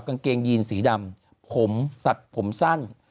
กางเกงยีนสีดำผมตัดผมสั้น